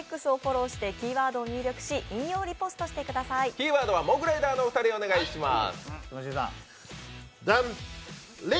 キーワードはモグライダーの２人、お願いします。